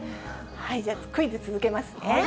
じゃあ、クイズ続けますね。